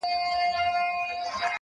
• سم ليونى سوم؛